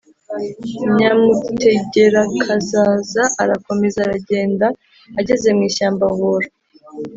nyamutegerakazaza arakomeza aragenda. ageze mu ishyamba, ahura